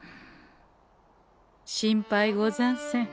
心配ござんせん。